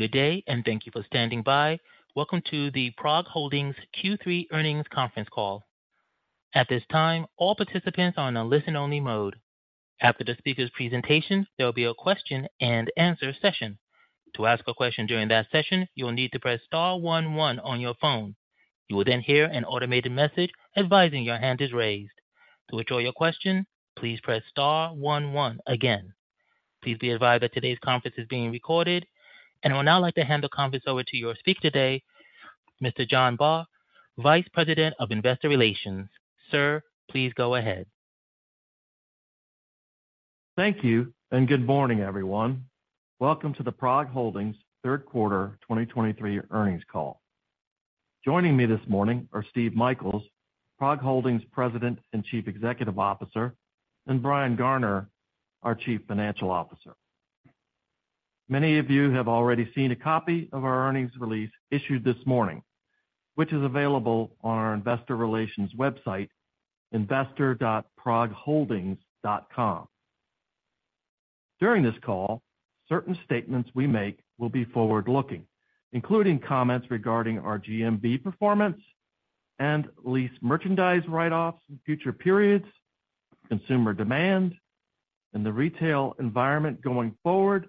Good day, and thank you for standing by. Welcome to the PROG Holdings Q3 earnings conference call. At this time, all participants are on a listen-only mode. After the speaker's presentation, there will be a question and answer session. To ask a question during that session, you will need to press star one one on your phone. You will then hear an automated message advising your hand is raised. To withdraw your question, please press star one one again. Please be advised that today's conference is being recorded. I would now like to hand the conference over to your speaker today, Mr. John Baugh, Vice President of Investor Relations. Sir, please go ahead. Thank you, and good morning, everyone. Welcome to the PROG Holdings third quarter 2023 earnings call. Joining me this morning are Steve Michaels, PROG Holdings President and Chief Executive Officer, and Brian Garner, our Chief Financial Officer. Many of you have already seen a copy of our earnings release issued this morning, which is available on our Investor Relations website, investor.progholdings.com. During this call, certain statements we make will be forward-looking, including comments regarding our GMV performance and lease merchandise write-offs in future periods, consumer demand and the retail environment going forward,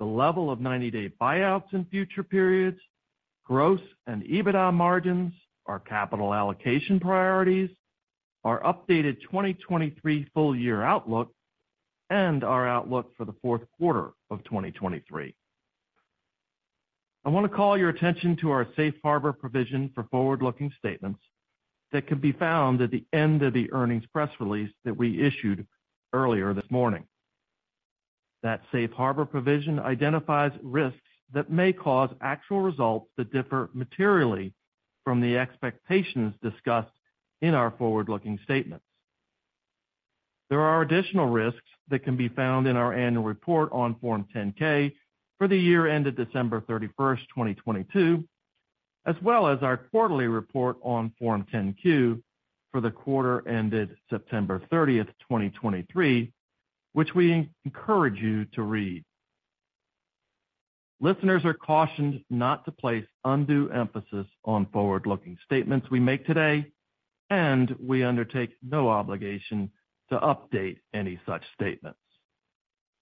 the level of 90-day buyouts in future periods, gross and EBITDA margins, our capital allocation priorities, our updated 2023 full year outlook, and our outlook for the fourth quarter of 2023. I want to call your attention to our safe harbor provision for forward-looking statements that can be found at the end of the earnings press release that we issued earlier this morning. That safe harbor provision identifies risks that may cause actual results to differ materially from the expectations discussed in our forward-looking statements. There are additional risks that can be found in our annual report on Form 10-K for the year ended December 31st, 2022, as well as our quarterly report on Form 10-Q for the quarter ended September 30th, 2023, which we encourage you to read. Listeners are cautioned not to place undue emphasis on forward-looking statements we make today, and we undertake no obligation to update any such statements.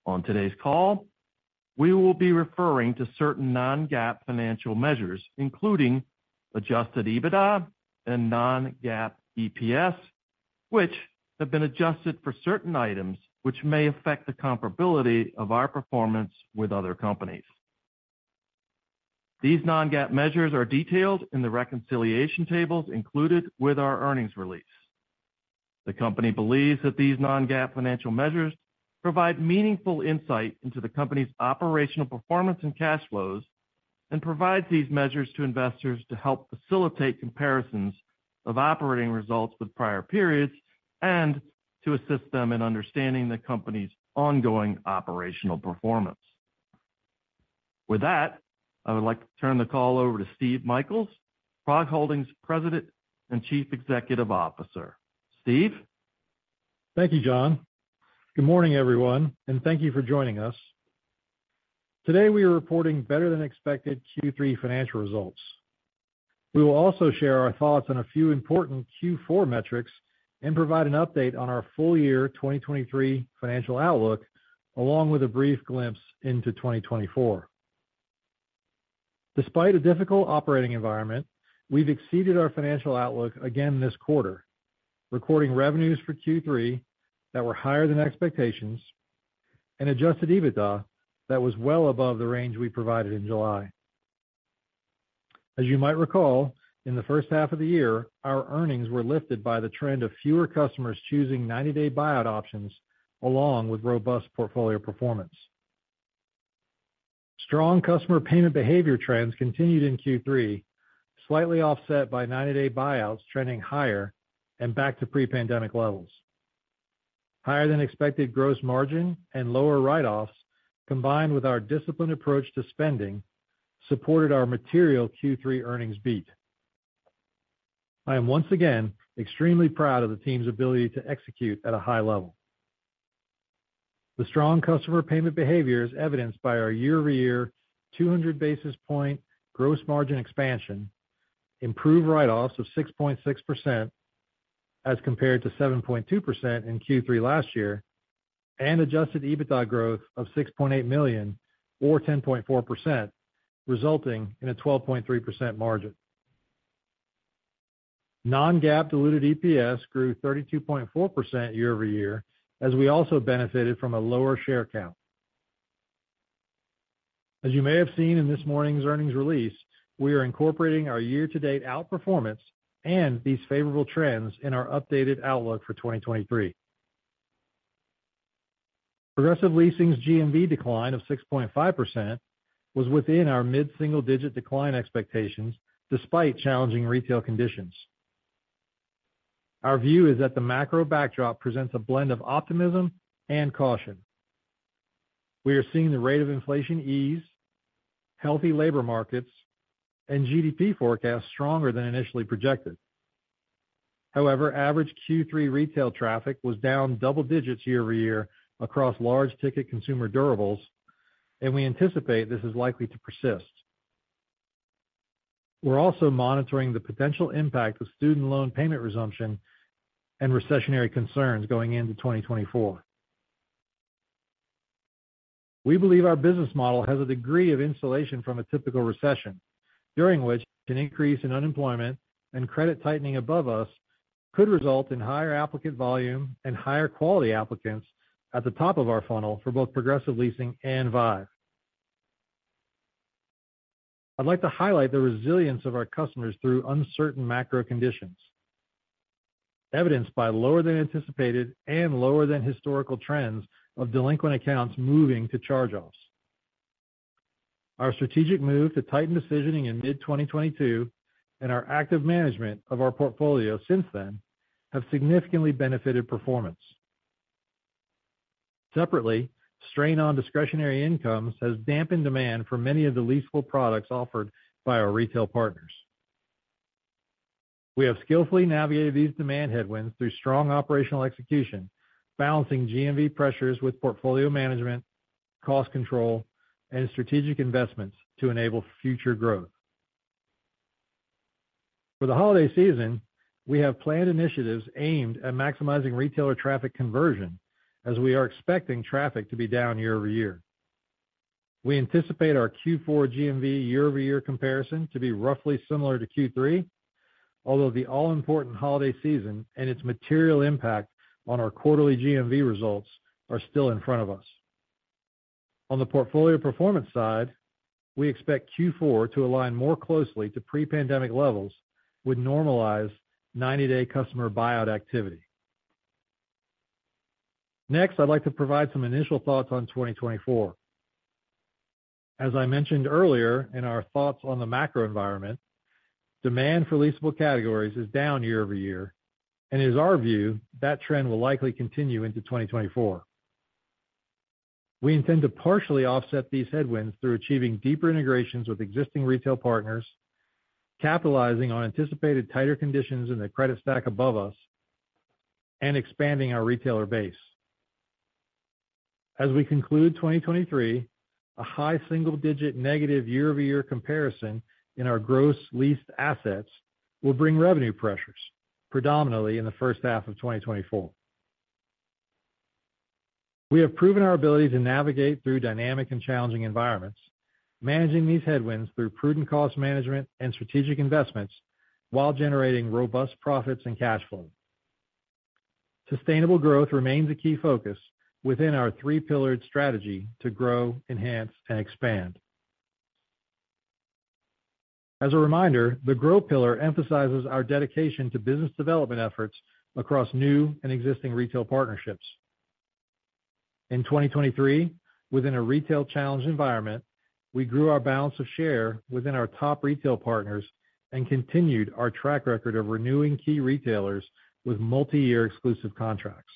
On today's call, we will be referring to certain non-GAAP financial measures, including Adjusted EBITDA and non-GAAP EPS, which have been adjusted for certain items which may affect the comparability of our performance with other companies. These non-GAAP measures are detailed in the reconciliation tables included with our earnings release. The company believes that these non-GAAP financial measures provide meaningful insight into the company's operational performance and cash flows, and provides these measures to investors to help facilitate comparisons of operating results with prior periods, and to assist them in understanding the company's ongoing operational performance. With that, I would like to turn the call over to Steve Michaels, PROG Holdings President and Chief Executive Officer. Steve? Thank you, John. Good morning, everyone, and thank you for joining us. Today, we are reporting better than expected Q3 financial results. We will also share our thoughts on a few important Q4 metrics and provide an update on our full year 2023 financial outlook, along with a brief glimpse into 2024. Despite a difficult operating environment, we've exceeded our financial outlook again this quarter, recording revenues for Q3 that were higher than expectations and Adjusted EBITDA that was well above the range we provided in July. As you might recall, in the first half of the year, our earnings were lifted by the trend of fewer customers choosing 90-Day buyout options along with robust portfolio performance. Strong customer payment behavior trends continued in Q3, slightly offset by 90-Day buyouts trending higher and back to pre-pandemic levels. Higher than expected gross margin and lower write-offs, combined with our disciplined approach to spending, supported our material Q3 earnings beat. I am once again extremely proud of the team's ability to execute at a high level. The strong customer payment behavior is evidenced by our year-over-year 200 basis point gross margin expansion, improved write-offs of 6.6% as compared to 7.2% in Q3 last year, and Adjusted EBITDA growth of $6.8 million or 10.4%, resulting in a 12.3% margin. Non-GAAP diluted EPS grew 32.4% year-over-year as we also benefited from a lower share count. As you may have seen in this morning's earnings release, we are incorporating our year-to-date outperformance and these favorable trends in our updated outlook for 2023. Progressive Leasing's GMV decline of 6.5% was within our mid-single-digit decline expectations, despite challenging retail conditions. Our view is that the macro backdrop presents a blend of optimism and caution. We are seeing the rate of inflation ease, healthy labor markets, and GDP forecasts stronger than initially projected. However, average Q3 retail traffic was down double digits year-over-year across large ticket consumer durables, and we anticipate this is likely to persist. We're also monitoring the potential impact of student loan payment resumption and recessionary concerns going into 2024. We believe our business model has a degree of insulation from a typical recession, during which an increase in unemployment and credit tightening above us could result in higher applicant volume and higher quality applicants at the top of our funnel for both Progressive Leasing and Vive. I'd like to highlight the resilience of our customers through uncertain macro conditions, evidenced by lower than anticipated and lower than historical trends of delinquent accounts moving to charge-offs. Our strategic move to tighten decisioning in mid-2022 and our active management of our portfolio since then, have significantly benefited performance. Separately, strain on discretionary incomes has dampened demand for many of the leasable products offered by our retail partners. We have skillfully navigated these demand headwinds through strong operational execution, balancing GMV pressures with portfolio management, cost control, and strategic investments to enable future growth. For the holiday season, we have planned initiatives aimed at maximizing retailer traffic conversion, as we are expecting traffic to be down year-over-year. We anticipate our Q4 GMV year-over-year comparison to be roughly similar to Q3, although the all-important holiday season and its material impact on our quarterly GMV results are still in front of us. On the portfolio performance side, we expect Q4 to align more closely to pre-pandemic levels with normalized 90-day customer buyout activity. Next, I'd like to provide some initial thoughts on 2024. As I mentioned earlier in our thoughts on the macro environment, demand for leasable categories is down year-over-year, and it is our view that trend will likely continue into 2024. We intend to partially offset these headwinds through achieving deeper integrations with existing retail partners, capitalizing on anticipated tighter conditions in the credit stack above us, and expanding our retailer base. As we conclude 2023, a high single-digit negative year-over-year comparison in our Gross Leased Assets will bring revenue pressures, predominantly in the first half of 2024. We have proven our ability to navigate through dynamic and challenging environments, managing these headwinds through prudent cost management and strategic investments while generating robust profits and cash flow. Sustainable growth remains a key focus within our three-pillared strategy to grow, enhance, and expand. As a reminder, the grow pillar emphasizes our dedication to business development efforts across new and existing retail partnerships. In 2023, within a retail challenged environment, we grew our balance of share within our top retail partners and continued our track record of renewing key retailers with multiyear exclusive contracts.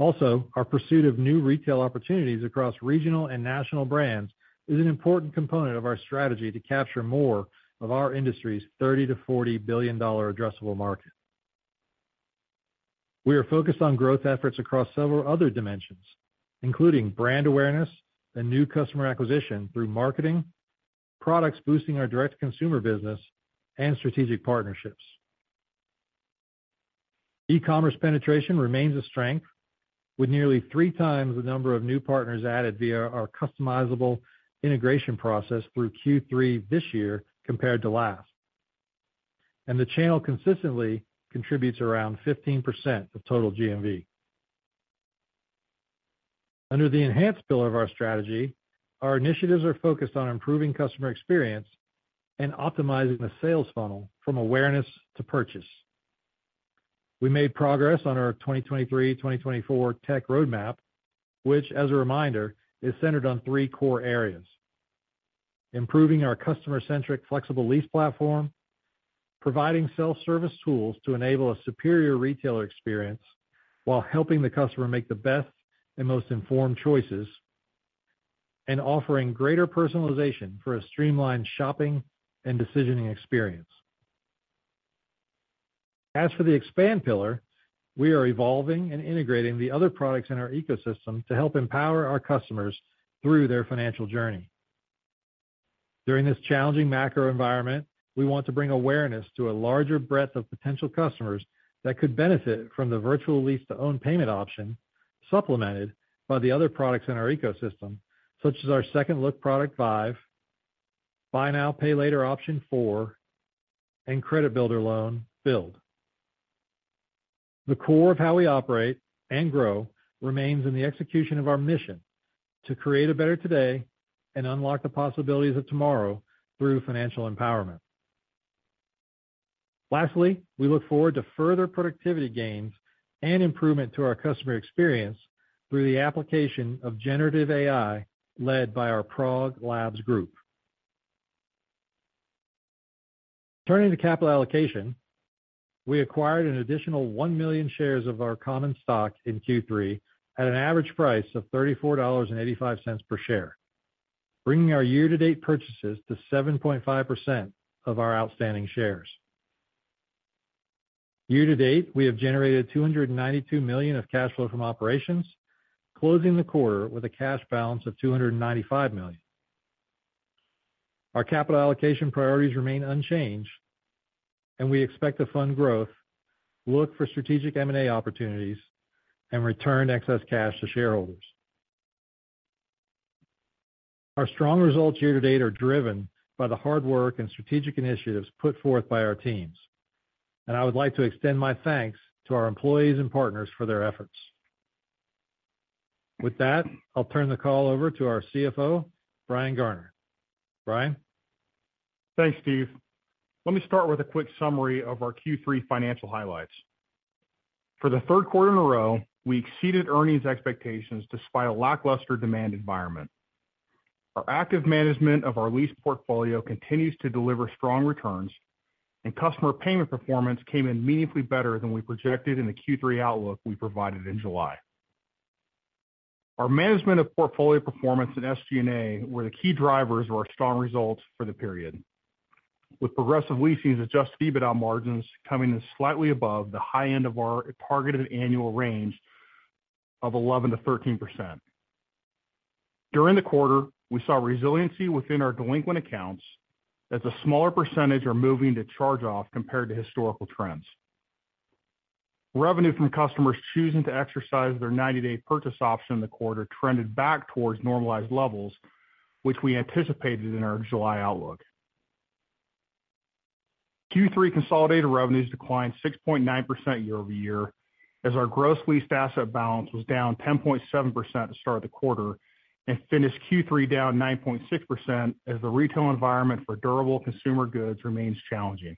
Also, our pursuit of new retail opportunities across regional and national brands is an important component of our strategy to capture more of our industry's $30 billion-$40 billion addressable market. We are focused on growth efforts across several other dimensions, including brand awareness and new customer acquisition through marketing, products boosting our direct-to-consumer business, and strategic partnerships. E-commerce penetration remains a strength, with nearly three times the number of new partners added via our customizable integration process through Q3 this year compared to last. And the channel consistently contributes around 15% of total GMV. Under the enhanced pillar of our strategy, our initiatives are focused on improving customer experience and optimizing the sales funnel from awareness to purchase. We made progress on our 2023/2024 tech roadmap, which, as a reminder, is centered on three core areas: improving our customer-centric, flexible lease platform, providing self-service tools to enable a superior retailer experience while helping the customer make the best and most informed choices, and offering greater personalization for a streamlined shopping and decisioning experience. As for the expand pillar, we are evolving and integrating the other products in our ecosystem to help empower our customers through their financial journey. During this challenging macro environment, we want to bring awareness to a larger breadth of potential customers that could benefit from the virtual lease-to-own payment option, supplemented by the other products in our ecosystem, such as our Second-Look product, Vive, Buy Now, Pay Later option Four, and Credit Builder Loan, Build. The core of how we operate and grow remains in the execution of our mission to create a better today and unlock the possibilities of tomorrow through financial empowerment. Lastly, we look forward to further productivity gains and improvement to our customer experience through the application of generative AI, led by our Prog Labs group. Turning to capital allocation, we acquired an additional 1 million shares of our common stock in Q3 at an average price of $34.85 per share, bringing our year-to-date purchases to 7.5% of our outstanding shares. Year to date, we have generated $292 million of cash flow from operations, closing the quarter with a cash balance of $295 million. Our capital allocation priorities remain unchanged, and we expect to fund growth, look for strategic M&A opportunities, and return excess cash to shareholders. Our strong results year to date are driven by the hard work and strategic initiatives put forth by our teams, and I would like to extend my thanks to our employees and partners for their efforts. With that, I'll turn the call over to our CFO, Brian Garner. Brian? Thanks, Steve. Let me start with a quick summary of our Q3 financial highlights. For the third quarter in a row, we exceeded earnings expectations despite a lackluster demand environment. Our active management of our lease portfolio continues to deliver strong returns, and customer payment performance came in meaningfully better than we projected in the Q3 outlook we provided in July. Our management of portfolio performance and SG&A were the key drivers of our strong results for the period, with Progressive Leasing's Adjusted EBITDA margins coming in slightly above the high end of our targeted annual range of 11%-13%. During the quarter, we saw resiliency within our delinquent accounts as a smaller percentage are moving to charge-off compared to historical trends. Revenue from customers choosing to exercise their 90-day purchase option in the quarter trended back towards normalized levels, which we anticipated in our July outlook. Q3 consolidated revenues declined 6.9% year-over-year, as our gross leased asset balance was down 10.7% at the start of the quarter and finished Q3 down 9.6%, as the retail environment for durable consumer goods remains challenging.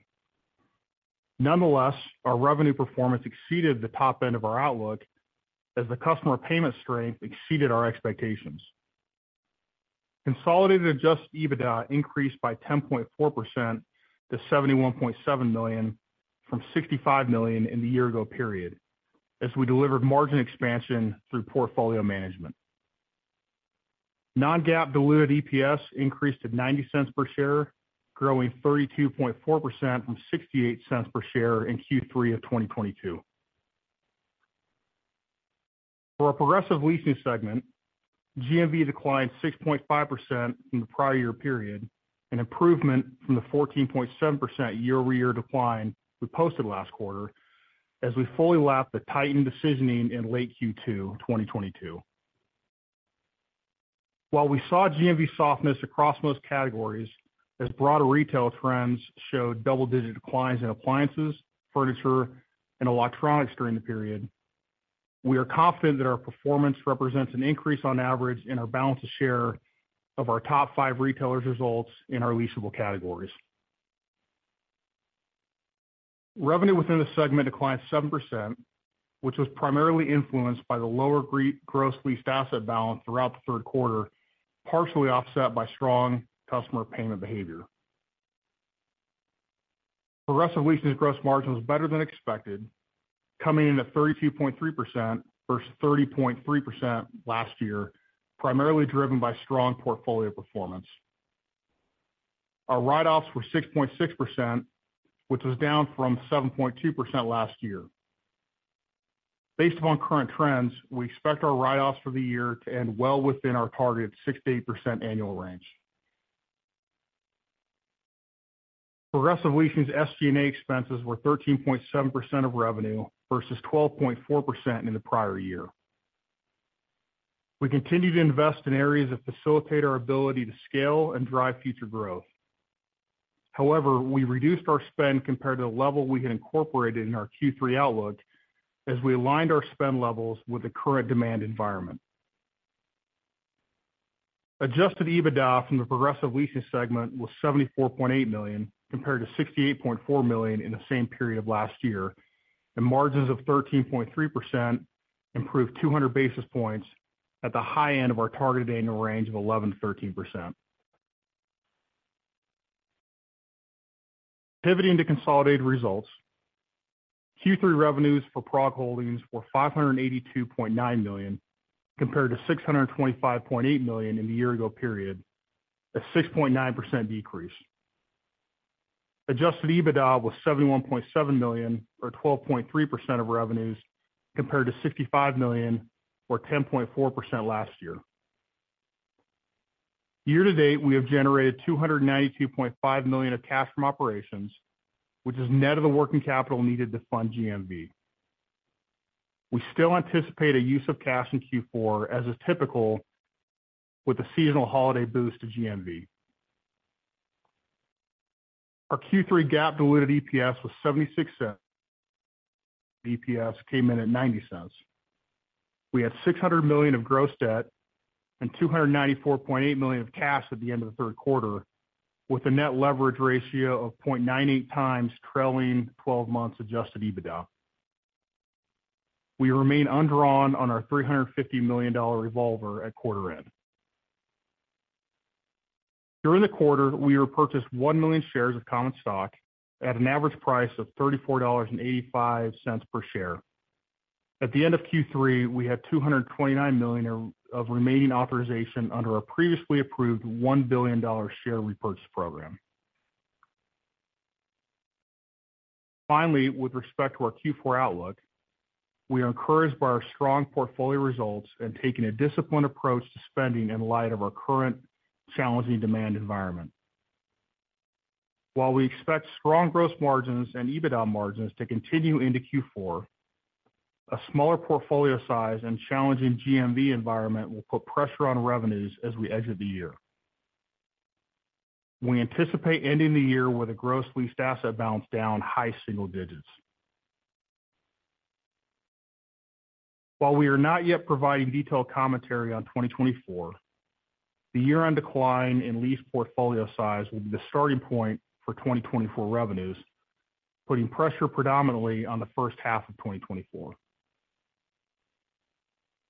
Nonetheless, our revenue performance exceeded the top end of our outlook as the customer payment strength exceeded our expectations. Consolidated Adjusted EBITDA increased by 10.4% to $71.7 million from $65 million in the year-ago period, as we delivered margin expansion through portfolio management. Non-GAAP diluted EPS increased to $0.90 per share, growing 32.4% from $0.68 per share in Q3 of 2022. For our Progressive Leasing segment, GMV declined 6.5% from the prior year period, an improvement from the 14.7% year-over-year decline we posted last quarter, as we fully lapped the tightened decisioning in late Q2 2022. While we saw GMV softness across most categories, as broader retail trends showed double-digit declines in appliances, furniture, and electronics during the period, we are confident that our performance represents an increase on average in our balance of share of our top five retailers' results in our leasable categories. Revenue within the segment declined 7%, which was primarily influenced by the lower gross leased asset balance throughout the third quarter, partially offset by strong customer payment behavior. Progressive Leasing's gross margin was better than expected, coming in at 32.3% versus 30.3% last year, primarily driven by strong portfolio performance. Our write-offs were 6.6%, which was down from 7.2% last year. Based upon current trends, we expect our write-offs for the year to end well within our targeted 6%-8% annual range. Progressive Leasing's SG&A expenses were 13.7% of revenue versus 12.4% in the prior year. We continue to invest in areas that facilitate our ability to scale and drive future growth. However, we reduced our spend compared to the level we had incorporated in our Q3 outlook as we aligned our spend levels with the current demand environment. Adjusted EBITDA from the Progressive Leasing segment was $74.8 million, compared to $68.4 million in the same period of last year, and margins of 13.3% improved 200 basis points at the high end of our targeted annual range of 11%-13%. Pivoting to consolidated results, Q3 revenues for PROG Holdings were $582.9 million, compared to $625.8 million in the year ago period, a 6.9% decrease. Adjusted EBITDA was $71.7 million, or 12.3% of revenues, compared to $65 million or 10.4% last year. Year to date, we have generated $292.5 million of cash from operations, which is net of the working capital needed to fund GMV. We still anticipate a use of cash in Q4, as is typical with the seasonal holiday boost to GMV. Our Q3 GAAP diluted EPS was $0.76. EPS came in at $0.90. We had $600 million of gross debt and $294.8 million of cash at the end of the third quarter, with a net leverage ratio of 0.98x trailing twelve months Adjusted EBITDA. We remain undrawn on our $350 million revolver at quarter end. During the quarter, we repurchased 1 million shares of common stock at an average price of $34.85 per share. At the end of Q3, we had $229 million of remaining authorization under our previously approved $1 billion share repurchase program. Finally, with respect to our Q4 outlook, we are encouraged by our strong portfolio results and taking a disciplined approach to spending in light of our current challenging demand environment. While we expect strong gross margins and EBITDA margins to continue into Q4, a smaller portfolio size and challenging GMV environment will put pressure on revenues as we end of the year. We anticipate ending the year with a gross leased asset balance down high single digits. While we are not yet providing detailed commentary on 2024, the year-end decline in lease portfolio size will be the starting point for 2024 revenues, putting pressure predominantly on the first half of 2024.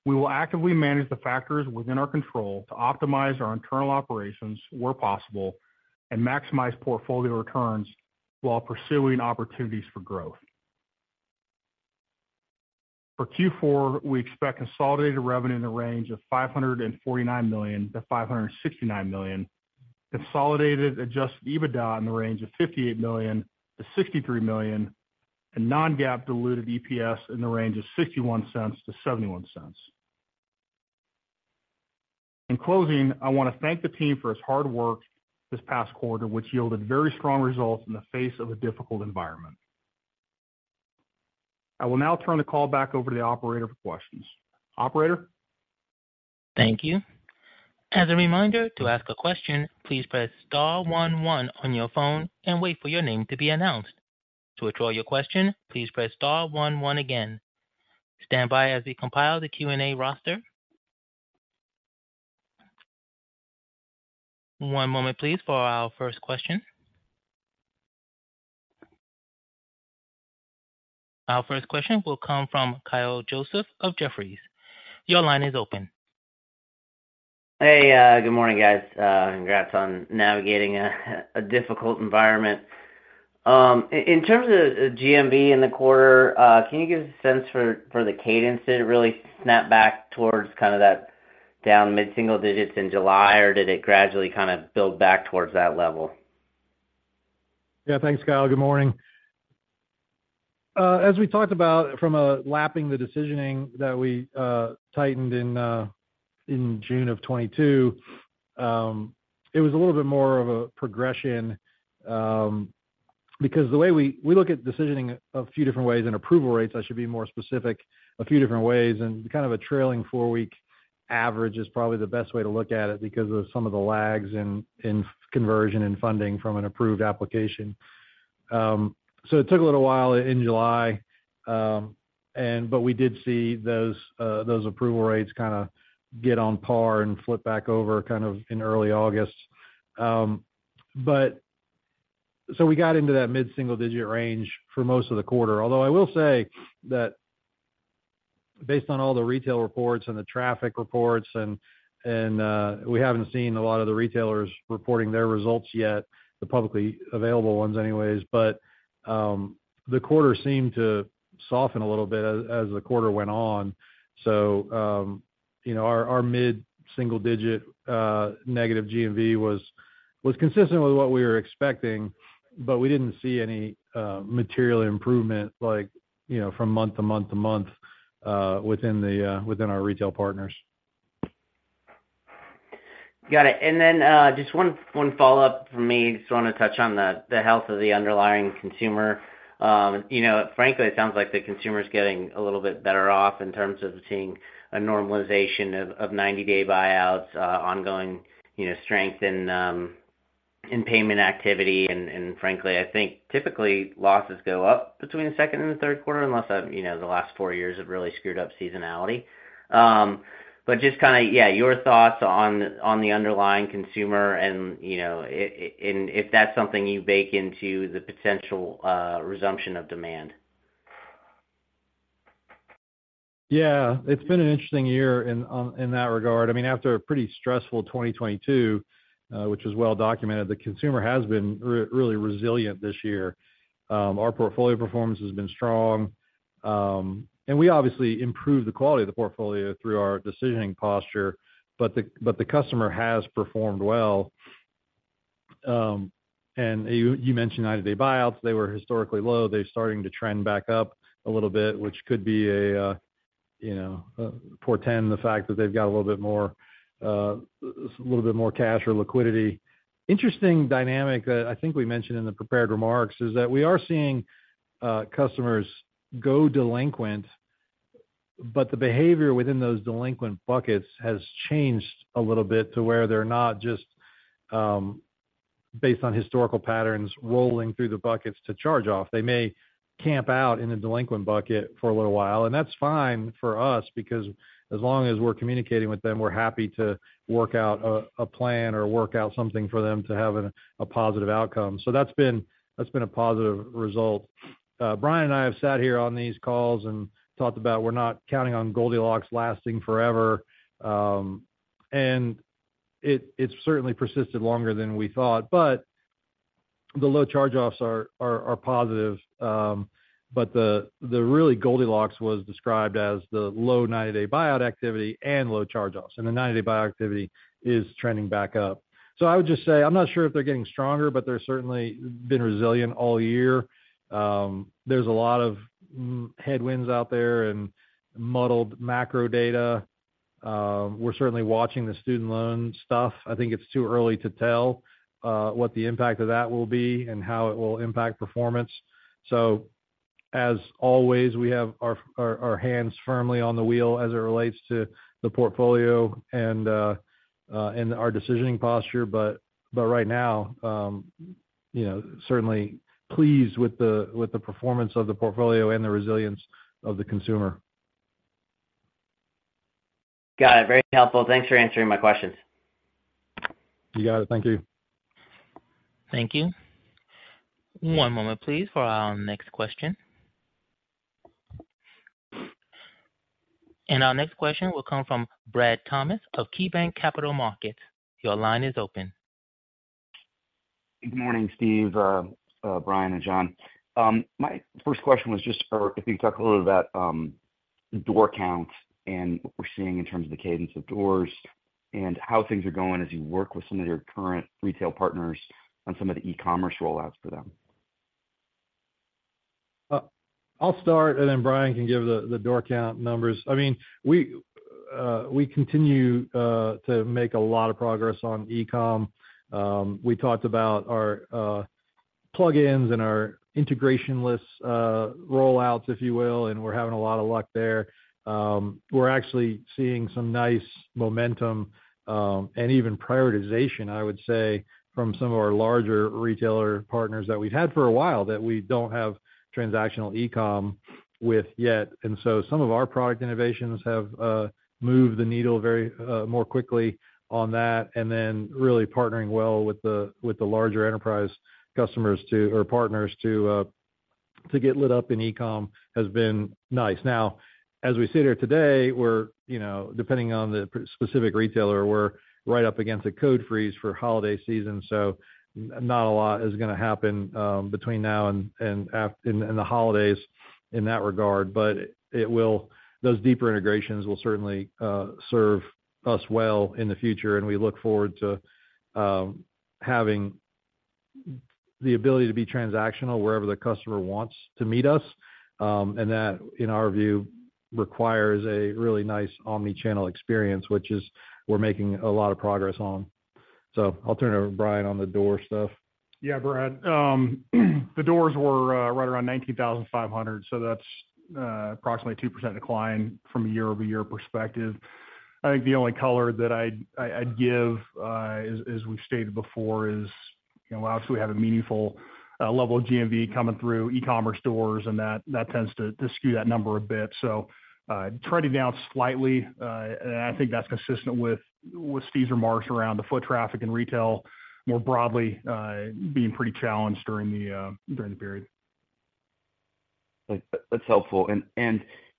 We will actively manage the factors within our control to optimize our internal operations where possible and maximize portfolio returns while pursuing opportunities for growth. For Q4, we expect consolidated revenue in the range of $549 million-$569 million, consolidated Adjusted EBITDA in the range of $58 million-$63 million, and non-GAAP diluted EPS in the range of $0.61-$0.71. In closing, I want to thank the team for its hard work this past quarter, which yielded very strong results in the face of a difficult environment. I will now turn the call back over to the operator for questions. Operator? Thank you. As a reminder, to ask a question, please press star one, one on your phone and wait for your name to be announced. To withdraw your question, please press star one, one again. Stand by as we compile the Q&A roster. One moment, please, for our first question. Our first question will come from Kyle Joseph of Jefferies. Your line is open. Hey, good morning, guys. Congrats on navigating a difficult environment. In terms of GMV in the quarter, can you give us a sense for the cadence? Did it really snap back towards kind of that down mid-single digits in July, or did it gradually kind of build back towards that level? Yeah, thanks, Kyle. Good morning. As we talked about from lapping the decisioning that we tightened in June of 2022, it was a little bit more of a progression, because the way we- we look at decisioning a few different ways and approval rates, I should be more specific, a few different ways, and kind of a trailing four-week average is probably the best way to look at it because of some of the lags in conversion and funding from an approved application. So it took a little while in July, and but we did see those, those approval rates kind of get on par and flip back over kind of in early August. But so we got into that mid-single digit range for most of the quarter. Although I will say that based on all the retail reports and the traffic reports, and we haven't seen a lot of the retailers reporting their results yet, the publicly available ones anyways, but the quarter seemed to soften a little bit as the quarter went on. So, you know, our mid-single digit negative GMV was consistent with what we were expecting, but we didn't see any material improvement, like, you know, from month to month to month within our retail partners. Got it. And then just one follow-up for me. Just want to touch on the health of the underlying consumer. You know, frankly, it sounds like the consumer is getting a little bit better off in terms of seeing a normalization of 90-day buyouts, ongoing, you know, strength in payment activity. And frankly, I think typically losses go up between the second and the third quarter, unless you know, the last four years have really screwed up seasonality. But just kind of, yeah, your thoughts on the underlying consumer and, you know, and if that's something you bake into the potential resumption of demand. Yeah. It's been an interesting year in that regard. I mean, after a pretty stressful 2022, which is well documented, the consumer has been really resilient this year. Our portfolio performance has been strong, and we obviously improved the quality of the portfolio through our decisioning posture, but the customer has performed well. And you mentioned 90-day buyouts. They were historically low. They're starting to trend back up a little bit, which could be a portend the fact that they've got a little bit more cash or liquidity. Interesting dynamic that I think we mentioned in the prepared remarks, is that we are seeing customers go delinquent, but the behavior within those delinquent buckets has changed a little bit to where they're not just based on historical patterns, rolling through the buckets to charge off. They may camp out in a delinquent bucket for a little while, and that's fine for us because as long as we're communicating with them, we're happy to work out a plan or work out something for them to have a positive outcome. So that's been a positive result. Brian and I have sat here on these calls and talked about we're not counting on Goldilocks lasting forever, and it's certainly persisted longer than we thought. But the low charge-offs are positive. But the really Goldilocks was described as the low 90-day buyout activity and low charge-offs, and the 90-day buyout activity is trending back up. So I would just say, I'm not sure if they're getting stronger, but they're certainly been resilient all year. There's a lot of headwinds out there and muddled macro data. We're certainly watching the student loan stuff. I think it's too early to tell what the impact of that will be and how it will impact performance. So as always, we have our hands firmly on the wheel as it relates to the portfolio and our decisioning posture. But right now, you know, certainly pleased with the performance of the portfolio and the resilience of the consumer. Got it. Very helpful. Thanks for answering my questions. You got it. Thank you. Thank you. One moment, please, for our next question. And our next question will come from Brad Thomas of KeyBanc Capital Markets. Your line is open. Good morning, Steve, Brian, and John. My first question was just if you could talk a little about door counts and what we're seeing in terms of the cadence of doors, and how things are going as you work with some of your current retail partners on some of the e-commerce rollouts for them. I'll start, and then Brian can give the door count numbers. I mean, we continue to make a lot of progress on e-com. We talked about our plugins and our integration lists rollouts, if you will, and we're having a lot of luck there. We're actually seeing some nice momentum and even prioritization, I would say, from some of our larger retailer partners that we've had for a while, that we don't have transactional e-com with yet. And so some of our product innovations have moved the needle very more quickly on that, and then really partnering well with the larger enterprise customers to or partners to get lit up in e-com has been nice. Now, as we sit here today, we're, you know, depending on the specific retailer, we're right up against a code freeze for holiday season, so not a lot is going to happen between now and after the holidays in that regard. But it will, those deeper integrations will certainly serve us well in the future, and we look forward to having the ability to be transactional wherever the customer wants to meet us. And that, in our view, requires a really nice omni-channel experience, which is we're making a lot of progress on. So I'll turn it over to Brian on the door stuff. Yeah, Brad, the doors were right around 90,500, so that's approximately 2% decline from a year-over-year perspective. I think the only color that I'd give, as we've stated before, is, you know, obviously we have a meaningful level of GMV coming through e-commerce doors, and that tends to skew that number a bit. So, trending down slightly, and I think that's consistent with Steve's remarks around the foot traffic and retail more broadly being pretty challenged during the period. That's helpful. And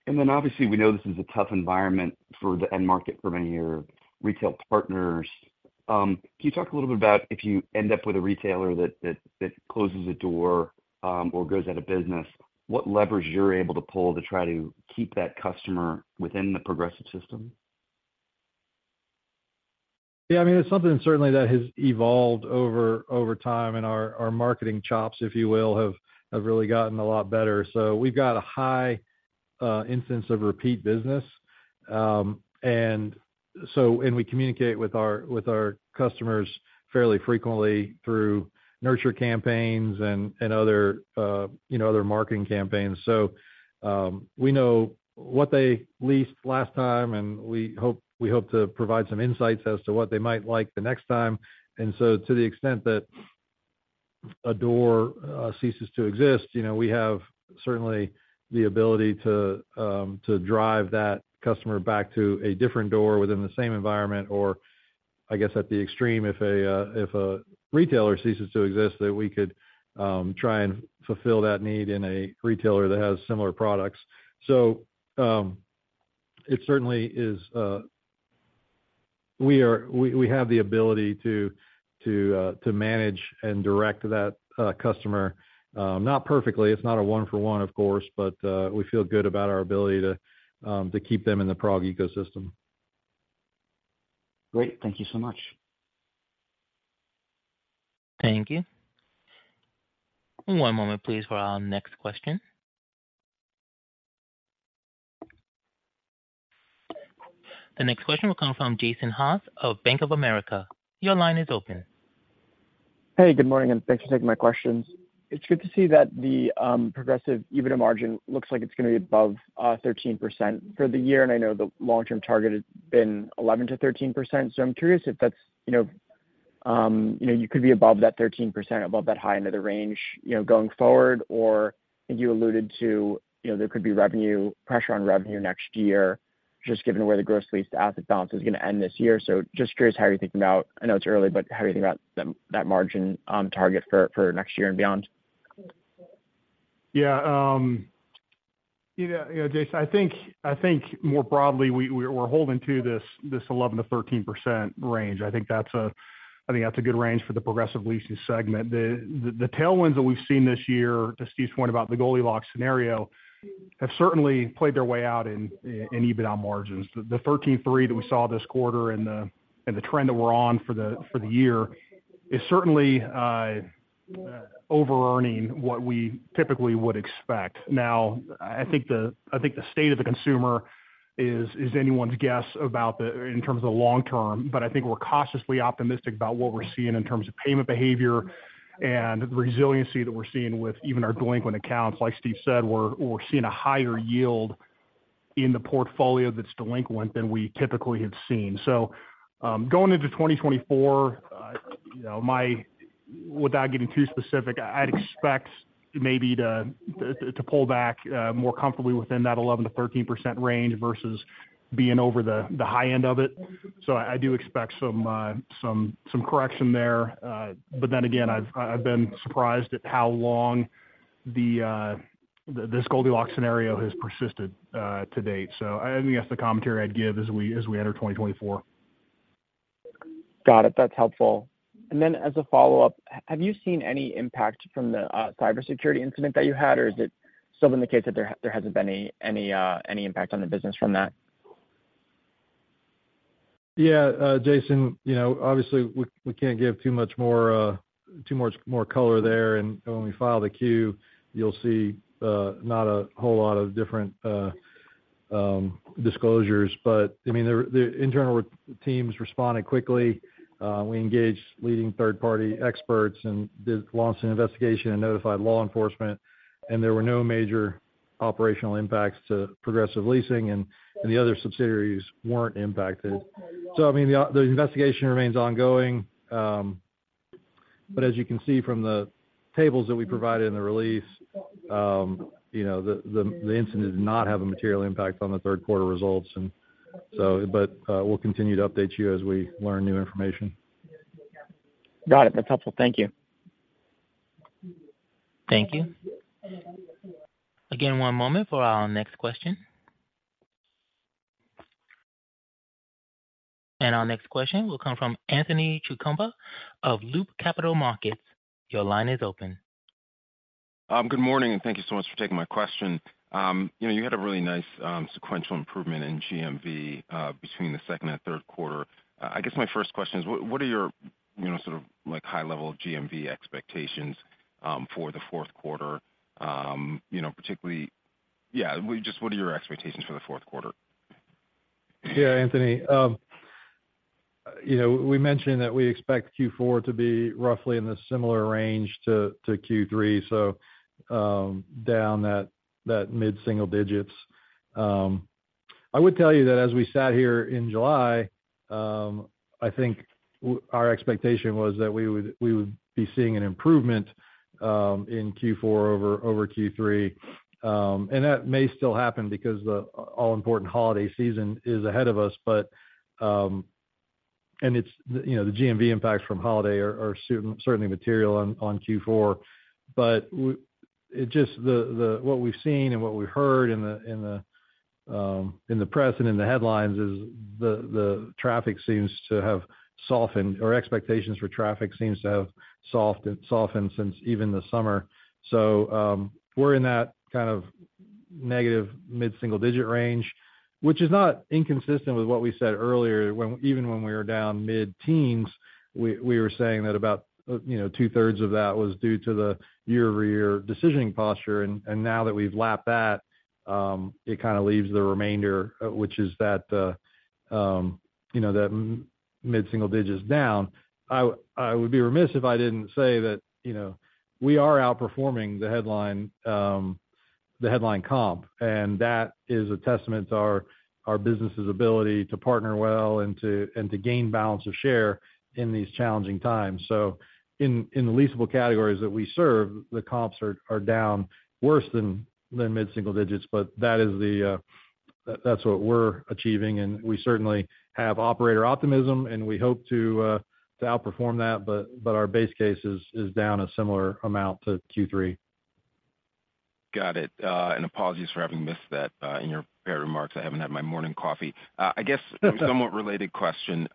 then, obviously, we know this is a tough environment for the end market for many of your retail partners. Can you talk a little bit about if you end up with a retailer that closes a door, or goes out of business, what leverage you're able to pull to try to keep that customer within the Progressive system? Yeah, I mean, it's something certainly that has evolved over time, and our marketing chops, if you will, have really gotten a lot better. So we've got a high instance of repeat business. And we communicate with our customers fairly frequently through nurture campaigns and other, you know, other marketing campaigns. So we know what they leased last time, and we hope to provide some insights as to what they might like the next time. To the extent that a door ceases to exist, you know, we have certainly the ability to drive that customer back to a different door within the same environment, or I guess, at the extreme, if a retailer ceases to exist, that we could try and fulfill that need in a retailer that has similar products. So, it certainly is, we have the ability to manage and direct that customer, not perfectly. It's not a one for one, of course, but we feel good about our ability to keep them in the PROG ecosystem. Great. Thank you so much. Thank you. One moment, please, for our next question. The next question will come from Jason Haas of Bank of America. Your line is open. Hey, good morning, and thanks for taking my questions. It's good to see that the Progressive EBITDA margin looks like it's going to be above 13% for the year, and I know the long-term target has been 11%-13%. So I'm curious if that's, you know, you know, you could be above that 13%, above that high end of the range, you know, going forward. Or I think you alluded to, you know, there could be revenue pressure on revenue next year, just given where the gross leased asset balance is going to end this year. So just curious how you're thinking about, I know it's early, but how are you thinking about that margin target for next year and beyond? Yeah, you know, Jason, I think more broadly, we're holding to this 11%-13% range. I think that's a good range for the Progressive Leasing segment. The tailwinds that we've seen this year, to Steve's point about the Goldilocks scenario, have certainly played their way out in EBITDA margins. The 13.3 that we saw this quarter and the trend that we're on for the year is certainly overearning what we typically would expect. Now, I think the state of the consumer is anyone's guess about the, in terms of the long term. But I think we're cautiously optimistic about what we're seeing in terms of payment behavior and the resiliency that we're seeing with even our delinquent accounts. Like Steve said, we're seeing a higher yield in the portfolio that's delinquent than we typically have seen. So, going into 2024, you know, my—without getting too specific, I'd expect maybe to pull back more comfortably within that 11%-13% range versus being over the high end of it. So I do expect some correction there. But then again, I've been surprised at how long this Goldilocks scenario has persisted to date. So I think that's the commentary I'd give as we enter 2024. Got it. That's helpful. And then, as a follow-up, have you seen any impact from the cybersecurity incident that you had, or is it still indicates that there hasn't been any impact on the business from that? Yeah, Jason, you know, obviously, we, we can't give too much more color there. And when we file the Q, you'll see not a whole lot of different disclosures. But, I mean, the internal teams responded quickly. We engaged leading third-party experts and launched an investigation and notified law enforcement, and there were no major operational impacts to Progressive Leasing, and the other subsidiaries weren't impacted. So I mean, the investigation remains ongoing. But as you can see from the tables that we provided in the release, you know, the incident did not have a material impact on the third quarter results. And so, but we'll continue to update you as we learn new information. Got it. That's helpful. Thank you. Thank you. Again, one moment for our next question. And our next question will come from Anthony Chukumba of Loop Capital Markets. Your line is open. Good morning, and thank you so much for taking my question. You know, you had a really nice sequential improvement in GMV between the second and third quarter. I guess my first question is: What are your, you know, sort of, like, high-level GMV expectations for the fourth quarter? You know, particularly, yeah, just what are your expectations for the fourth quarter? Yeah, Anthony, you know, we mentioned that we expect Q4 to be roughly in a similar range to Q3, so, down that mid-single digits. I would tell you that as we sat here in July, I think our expectation was that we would be seeing an improvement in Q4 over Q3. And that may still happen because the all-important holiday season is ahead of us. But, and it's, you know, the GMV impacts from holiday are certainly material on Q4. But what we've seen and what we've heard in the press and in the headlines is the traffic seems to have softened, or expectations for traffic seems to have softened since even the summer. So, we're in that kind of negative mid-single-digit range, which is not inconsistent with what we said earlier, when even when we were down mid-teens, we were saying that about, you know, two-thirds of that was due to the year-over-year decisioning posture. And now that we've lapped that, it kind of leaves the remainder, which is that, you know, that mid-single digits down. I would be remiss if I didn't say that, you know, we are outperforming the headline, the headline comp, and that is a testament to our business's ability to partner well and to gain balance of share in these challenging times. So in the leasable categories that we serve, the comps are down worse than mid-single digits, but that is, that's what we're achieving, and we certainly have operator optimism, and we hope to outperform that. But our base case is down a similar amount to Q3. Got it. And apologies for having missed that, in your prepared remarks. I haven't had my morning coffee. A somewhat related question.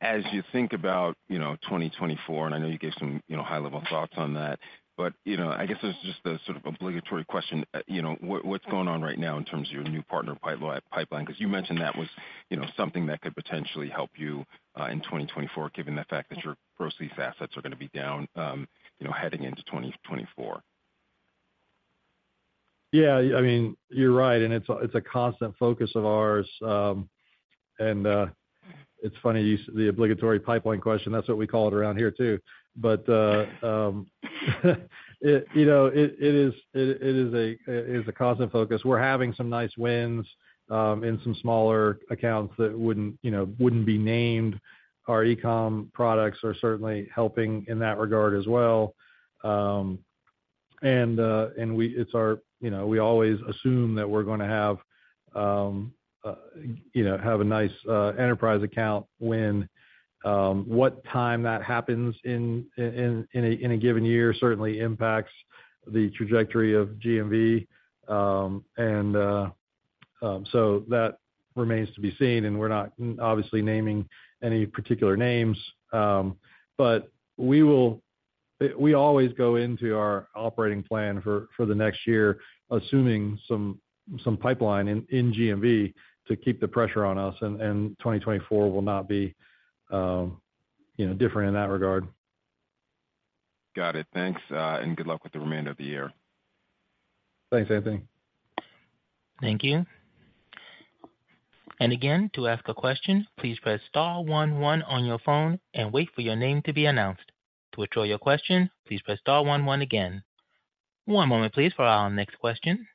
As you think about, you know, 2024, and I know you gave some, you know, high-level thoughts on that. But, you know, I guess it's just a sort of obligatory question. You know, what, what's going on right now in terms of your new partner pipeline? Because you mentioned that was, you know, something that could potentially help you, in 2024, given the fact that your gross lease assets are going to be down, you know, heading into 2024. Yeah, I mean, you're right, and it's a constant focus of ours. It's funny, you use the obligatory pipeline question. That's what we call it around here, too. But, you know, it is a constant focus. We're having some nice wins in some smaller accounts that wouldn't, you know, be named. Our e-com products are certainly helping in that regard as well. And it's our... You know, we always assume that we're gonna have a nice enterprise account win. What time that happens in a given year certainly impacts the trajectory of GMV. So that remains to be seen, and we're not obviously naming any particular names. But we will—we always go into our operating plan for the next year, assuming some pipeline in GMV to keep the pressure on us, and 2024 will not be, you know, different in that regard. Got it. Thanks, and good luck with the remainder of the year. Thanks, Anthony. Thank you. And again, to ask a question, please press star one, one on your phone and wait for your name to be announced. To withdraw your question, please press star one, one again. One moment, please, for our next question.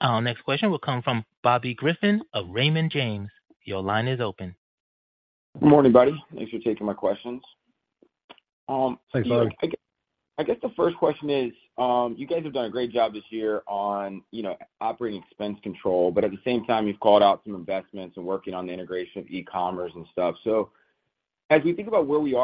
Our next question will come from Bobby Griffin of Raymond James. Your line is open. Good morning, buddy. Thanks for taking my questions. Thanks, Bobby. I guess the first question is, you guys have done a great job this year on, you know, operating expense control, but at the same time, you've called out some investments and working on the integration of e-commerce and stuff. So as we think about where we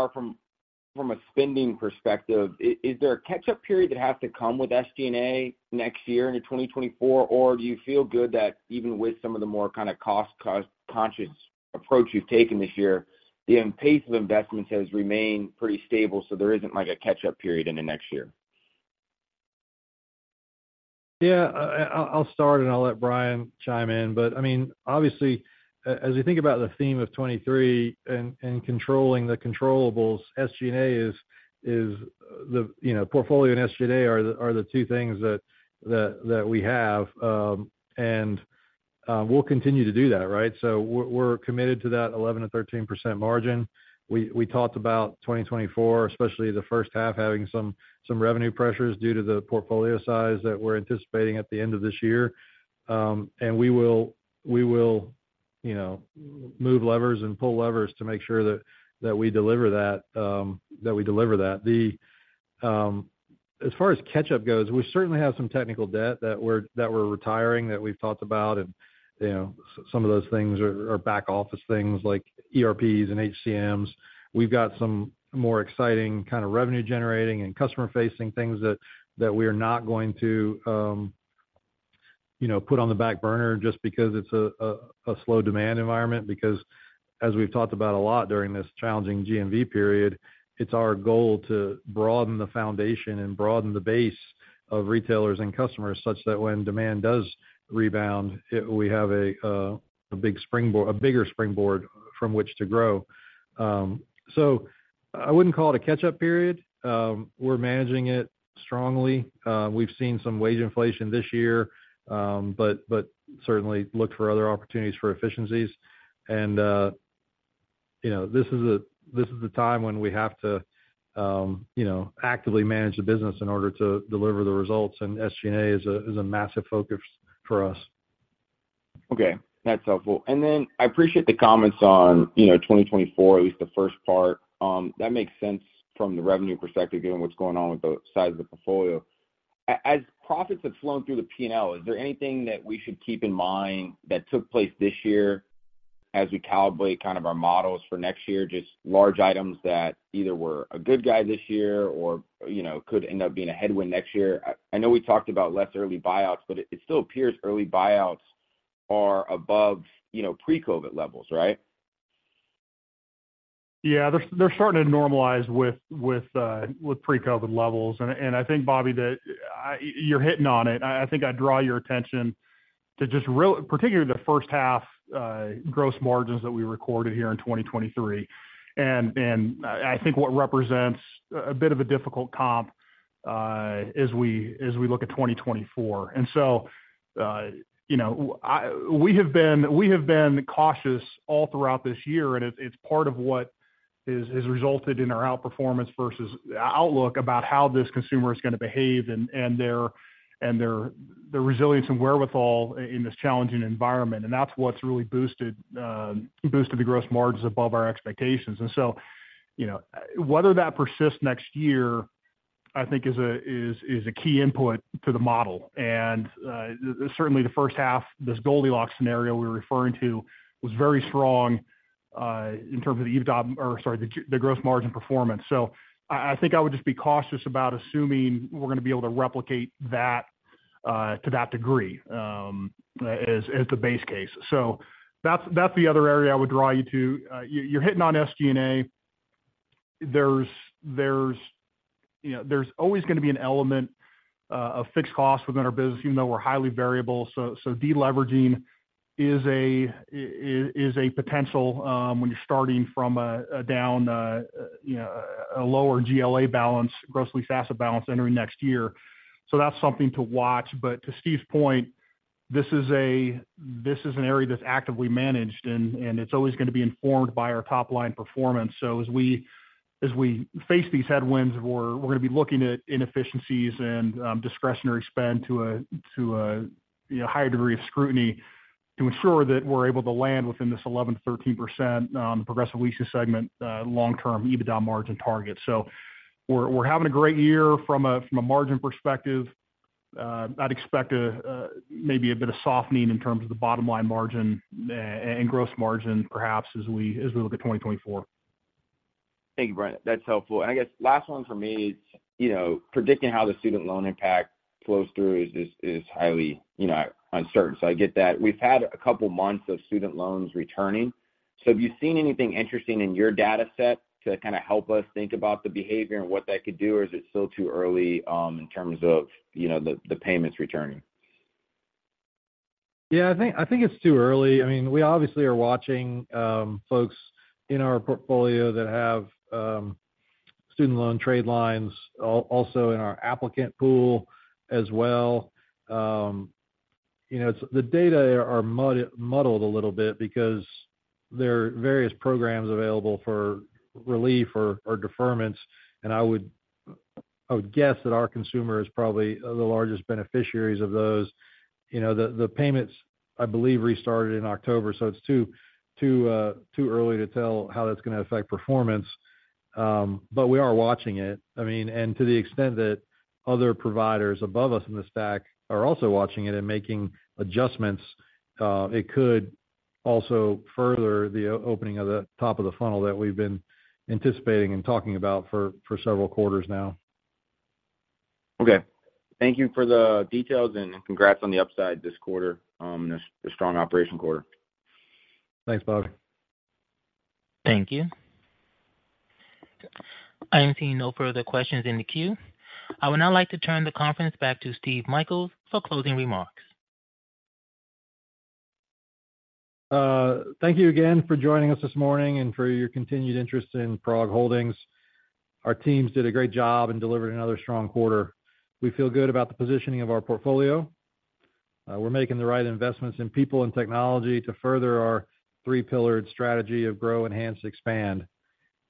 are from a spending perspective, is there a catch-up period that has to come with SG&A next year into 2024? Or do you feel good that even with some of the more kind of cost-conscious approach you've taken this year, the pace of investments has remained pretty stable, so there isn't like a catch-up period in the next year? Yeah, I'll start and I'll let Brian chime in. But I mean, obviously, as we think about the theme of 2023 and controlling the controllables, SG&A is, you know, the portfolio and SG&A are the two things that we have, and we'll continue to do that, right? So we're committed to that 11%-13% margin. We talked about 2024, especially the first half, having some revenue pressures due to the portfolio size that we're anticipating at the end of this year. And we will, you know, move levers and pull levers to make sure that we deliver that. As far as catch-up goes, we certainly have some technical debt that we're retiring, that we've talked about. You know, some of those things are back office things like ERPs and HCMs. We've got some more exciting kind of revenue generating and customer-facing things that we are not going to, you know, put on the back burner just because it's a slow demand environment. Because as we've talked about a lot during this challenging GMV period, it's our goal to broaden the foundation and broaden the base of retailers and customers such that when demand does rebound, we have a big springboard, a bigger springboard from which to grow. So I wouldn't call it a catch-up period. We're managing it strongly. We've seen some wage inflation this year, but certainly look for other opportunities for efficiencies. And, you know, this is a time when we have to, you know, actively manage the business in order to deliver the results, and SG&A is a massive focus for us. Okay, that's helpful. And then I appreciate the comments on, you know, 2024, at least the first part. That makes sense from the revenue perspective, given what's going on with the size of the portfolio. As profits have flown through the P&L, is there anything that we should keep in mind that took place this year as we calibrate kind of our models for next year, just large items that either were a good guy this year or, you know, could end up being a headwind next year? I know we talked about less early buyouts, but it still appears early buyouts are above, you know, pre-COVID levels, right? Yeah, they're starting to normalize with pre-COVID levels. And I think, Bobby, that you're hitting on it. I think I'd draw your attention to just particularly the first half, gross margins that we recorded here in 2023. And I think what represents a bit of a difficult comp as we look at 2024. And so, you know, we have been cautious all throughout this year, and it's part of what has resulted in our outperformance versus outlook about how this consumer is gonna behave and their resilience and wherewithal in this challenging environment. And that's what's really boosted the gross margins above our expectations. And so, you know, whether that persists next year, I think is a key input to the model. And certainly the first half, this Goldilocks scenario we were referring to, was very strong in terms of the EBITDA, or sorry, the gross margin performance. So I think I would just be cautious about assuming we're gonna be able to replicate that to that degree as the base case. So that's the other area I would draw you to. You're hitting on SG&A. There's, you know, there's always gonna be an element of fixed costs within our business, even though we're highly variable. So deleveraging is a potential when you're starting from a down, you know, a lower GLA balance, Gross Leased Assets balance, entering next year. So that's something to watch. But to Steve's point, this is a, this is an area that's actively managed, and, and it's always gonna be informed by our top-line performance. So as we, as we face these headwinds, we're, we're gonna be looking at inefficiencies and, discretionary spend to a, to a, you know, higher degree of scrutiny to ensure that we're able to land within this 11%-13%, Progressive Leasing segment, long-term EBITDA margin target. So we're, we're having a great year from a, from a margin perspective. I'd expect a, maybe a bit of softening in terms of the bottom line margin, and gross margin, perhaps, as we, as we look at 2024. Thank you, Brian. That's helpful. And I guess last one for me is, you know, predicting how the student loan impact flows through is highly, you know, uncertain. So I get that. We've had a couple months of student loans returning. So have you seen anything interesting in your data set to kind of help us think about the behavior and what that could do? Or is it still too early in terms of, you know, the payments returning? Yeah, I think it's too early. I mean, we obviously are watching folks in our portfolio that have student loan trade lines, also in our applicant pool as well. You know, it's the data are muddled a little bit because there are various programs available for relief or deferments, and I would guess that our consumer is probably the largest beneficiaries of those. You know, the payments, I believe, restarted in October, so it's too early to tell how that's gonna affect performance. But we are watching it. I mean, and to the extent that other providers above us in the stack are also watching it and making adjustments, it could also further the opening of the top of the funnel that we've been anticipating and talking about for several quarters now. Okay. Thank you for the details, and congrats on the upside this quarter, and the strong operational quarter. Thanks, Bobby. Thank you. I am seeing no further questions in the queue. I would now like to turn the conference back to Steve Michaels for closing remarks. Thank you again for joining us this morning and for your continued interest in PROG Holdings. Our teams did a great job in delivering another strong quarter. We feel good about the positioning of our portfolio. We're making the right investments in people and technology to further our three-pillared strategy of grow, enhance, expand.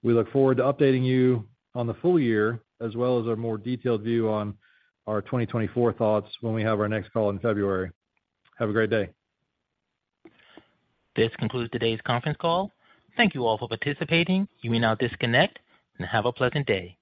We look forward to updating you on the full year, as well as a more detailed view on our 2024 thoughts when we have our next call in February. Have a great day. This concludes today's conference call. Thank you all for participating. You may now disconnect, and have a pleasant day.